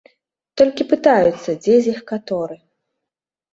Толькі пытаюцца, дзе з іх каторы.